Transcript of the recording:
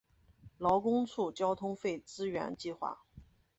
劳工处交通费支援计划